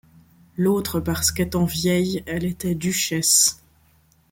L'autre parce qu'étant vieille, elle était duchesse